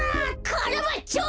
カラバッチョ！